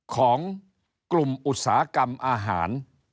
ของกลุ่มอุตสาหกรรมอาหาร